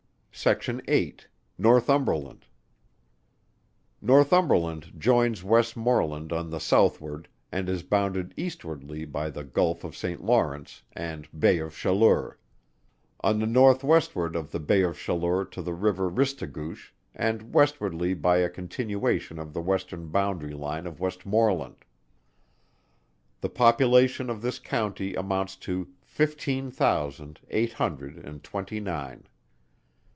SECTION VIII. NORTHUMBERLAND. Joins Westmorland on the southward, and is bounded eastwardly by the Gulph of Saint Lawrence, and Bay of Chaleur. On the northwestward by the Bay of Chaleur to the river Ristigouche, and westwardly by a continuation of the western boundary line of Westmorland. The population of this county amounts to fifteen thousand eight hundred and twenty nine.